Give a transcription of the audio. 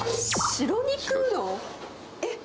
白肉うどん？えっ？